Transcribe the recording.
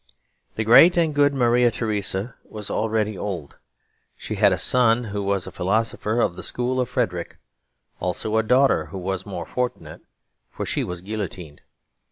The great and good Maria Theresa was already old. She had a son who was a philosopher of the school of Frederick; also a daughter who was more fortunate, for she was guillotined.